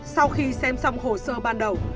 sau khi xem xong hồ sơ ban đầu